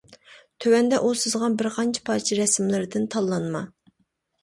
تۆۋەندە ئۇ سىزغان بىر قانچە پارچە رەسىملىرىدىن تاللانما.